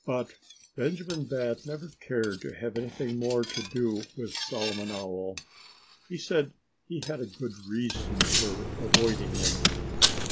But Benjamin Bat never cared to have anything more to do with Solomon Owl. He said he had a good reason for avoiding him.